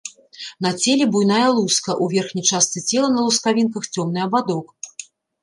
На целе буйная луска, у верхняй частцы цела на лускавінках цёмны абадок.